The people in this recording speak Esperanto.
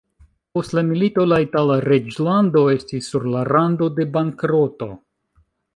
Post la milito la itala reĝlando estis sur la rando de bankroto.